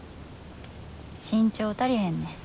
身長足りへんねん。